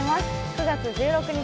９月１６日